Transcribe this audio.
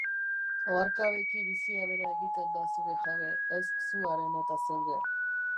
Oharkabeki bizia bera egiten da zure jabe, ez zu haren eta zeure.